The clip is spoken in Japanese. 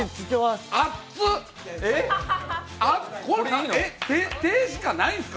あっつ、手しかないんですか？